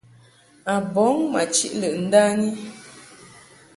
A bɔŋ ma chiʼ lɨʼ ndani.